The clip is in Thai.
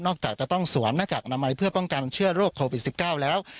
จากจะต้องสวมหน้ากากอนามัยเพื่อป้องกันเชื้อโรคโควิด๑๙แล้ว